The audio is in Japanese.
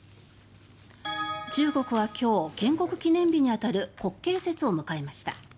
中国は今日、建国記念日に当たる国慶節を迎えました。